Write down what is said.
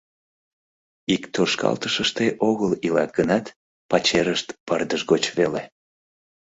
Ик тошкалтышыште огыл илат гынат, пачерышт пырдыж гоч веле.